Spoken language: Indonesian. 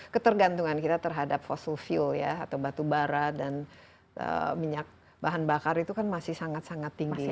ketergantungan kita terhadap fossil fuel ya atau batu bara dan minyak bahan bakar itu kan masih sangat sangat tinggi ya